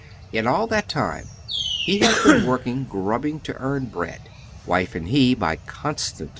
In all that time he has been at work' grubbing to earn bread. Wife and he by constMit _......